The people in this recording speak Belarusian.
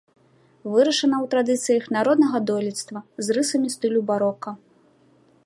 Вырашана ў традыцыях народнага дойлідства з рысамі стылю барока.